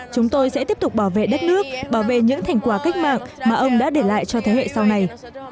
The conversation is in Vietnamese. chúng tôi sẽ tiếp tục bảo vệ đất nước bảo vệ những thành quả cách mạng mà ông đã để lại cho thế hệ sau này